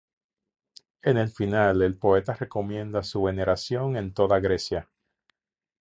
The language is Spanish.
En el final el poeta recomienda su veneración en toda Grecia.